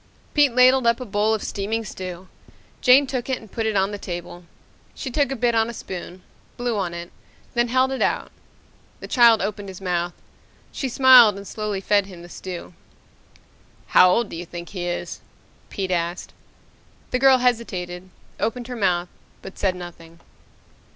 Pete ladled up a bowl of steaming stew. Jane took it and put it on the table. She took a bit on a spoon, blew on it, then held it out. The child opened his mouth. She smiled and slowly fed him the stew. "How old do you think he is?" Pete asked. The girl hesitated, opened her mouth, but said nothing.